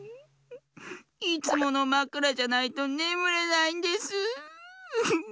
いつものまくらじゃないとねむれないんです。